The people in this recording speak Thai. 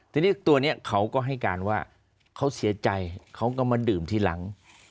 ทีนี้ตัวนี้เขาก็ให้การว่าเขาเสียใจเขาก็มาดื่มทีหลัง